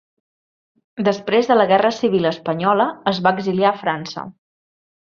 Després de la guerra civil espanyola es va exiliar a França.